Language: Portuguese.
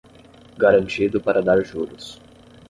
Garantido para dar juros